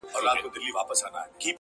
o خوار چي مرور سي، د چا کره به ورسي٫